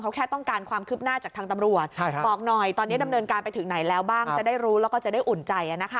เขาแค่ต้องการความคืบหน้าจากทางตำรวจ